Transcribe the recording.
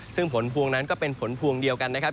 ซึ่งผลพวงนั้นก็เป็นผลพวงเดียวกันนะครับ